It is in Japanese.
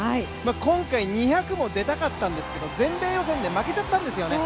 今回２００も出たかったんですけれども、全米予選で負けちゃったんですよね。